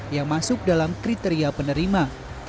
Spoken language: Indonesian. yang masuk dalam kriteria penerima